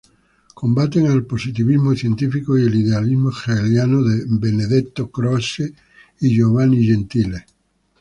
Combaten el positivismo científico y el idealismo hegeliano de Benedetto Croce y Giovanni Gentile.